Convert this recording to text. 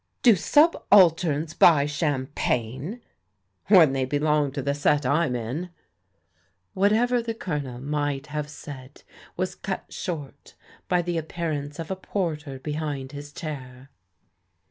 " Do sub alterns buy champagne ?"" When they belong to the set I'm in." Whatever the Colonel might have said was cut short by the appearance of a porter behind his chair.